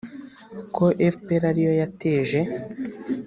ko fpr ari yo yateje